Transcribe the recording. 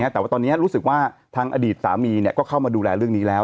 แต่ว่าตอนนี้รู้สึกว่าทางอดีตสามีก็เข้ามาดูแลเรื่องนี้แล้ว